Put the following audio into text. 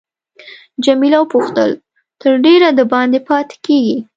جميله وپوښتل تر ډېره دباندې پاتې کیږې.